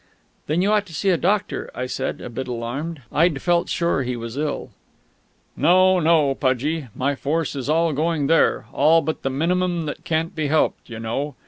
"Then you ought to see a doctor," I said, a bit alarmed. (I'd felt sure he was ill.) "No, no, Pudgie. My force is all going there all but the minimum that can't be helped, you know....